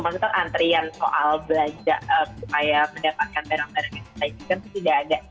maksudnya antrian soal belanja supaya mendapatkan barang barang yang kita inginkan tuh tidak ada